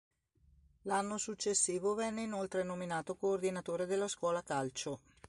L’anno successivo viene inoltre nominato Coordinatore della Scuola Calcio.